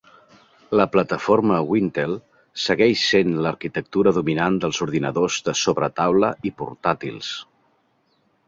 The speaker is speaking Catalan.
La plataforma Wintel segueix sent l'arquitectura dominant dels ordinadors de sobretaula i portàtils.